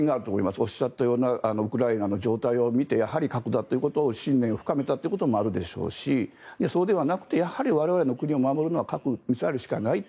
おっしゃったようなウクライナの状態を見てやはり核だということを信念を深めたということもあるでしょうしそうではなくて我々の国を守るのは核・ミサイルしかないと。